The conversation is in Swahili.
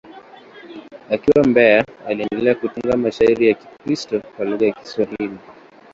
Akiwa Mbeya, aliendelea kutunga mashairi ya Kikristo kwa lugha ya Kiswahili.